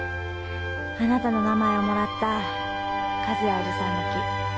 あなたの名前をもらった和也伯父さんの樹。